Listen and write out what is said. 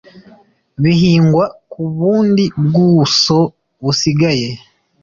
bihingwa ku bundi bwuso busigaye